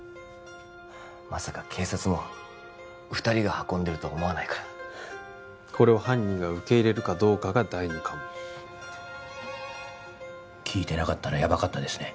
まさか警察も二人が運んでるとは思わないからこれを犯人が受け入れるかどうかが第二関門聞いてなかったらヤバかったですね